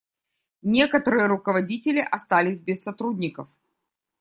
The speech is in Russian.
Некоторые руководители остались без сотрудников.